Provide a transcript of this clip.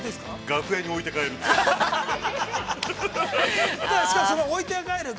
◆楽屋に置いて帰る。